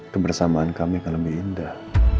kebersamaan kami akan lebih indah